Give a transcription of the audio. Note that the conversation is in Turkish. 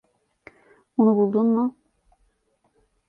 Onu buldun mu?